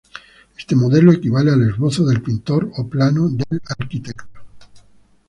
Este modelo equivale al esbozo del pintor o plano del arquitecto.